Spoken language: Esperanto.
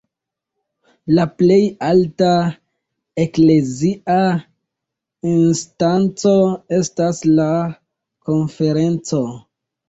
La plej alta eklezia instanco estas la Konferenco.